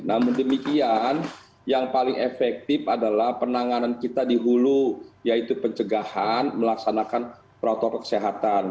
namun demikian yang paling efektif adalah penanganan kita di hulu yaitu pencegahan melaksanakan protokol kesehatan